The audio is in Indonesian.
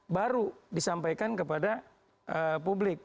baru disampaikan kepada publik